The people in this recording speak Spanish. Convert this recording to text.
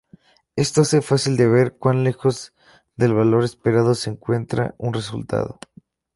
Esto hace fácil de ver cuan lejos del valor esperado se encuentra un resultado.